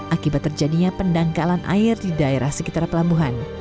akibat terjadinya pendangkalan air di daerah sekitar pelabuhan